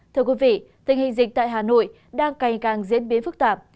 thưa quý vị tình hình dịch tại hà nội đang ngày càng diễn biến phức tạp